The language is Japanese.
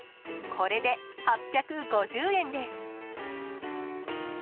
これで８５０円です。